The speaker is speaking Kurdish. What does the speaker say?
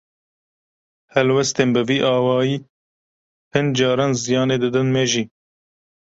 Helwestên bi vî awayî, hin caran ziyanê didin me jî.